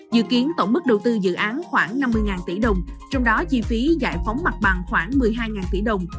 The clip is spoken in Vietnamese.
dự kiến tổng mức đầu tư dự án khoảng năm mươi tỷ đồng trong đó chi phí giải phóng mặt bằng khoảng một mươi hai tỷ đồng